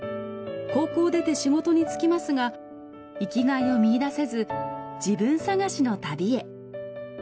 高校を出て仕事に就きますが生きがいを見いだせず自分探しの旅へ。